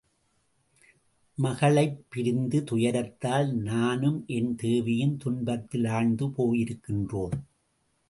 மகளைப் பிரிந்த துயரத்தால் நானும் என் தேவியும் துன்பத்தில் ஆழ்ந்து போயிருக்கின்றோம்.